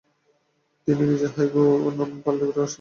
তিনি নিজের হাইগো নাম পাল্টে বাসো রাখলেন।